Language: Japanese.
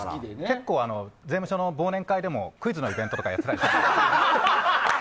結構、税務署の忘年会でもクイズのイベントやってたりしたので。